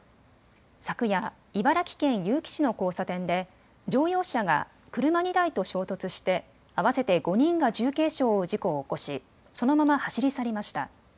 昨夜、茨城県結城市の交差点で乗用車が車２台と衝突して合わせて５人が重軽傷を負う事故を起こしそのまま走り去りました。